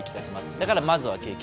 だからまずは景気。